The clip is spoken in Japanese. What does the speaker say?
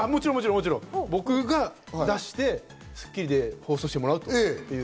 僕が出して『スッキリ』で放送してもらうという。